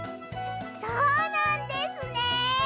そうなんですね！